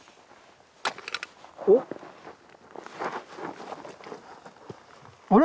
おっ！あれ！？